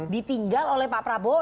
ditinggal oleh pak prabowo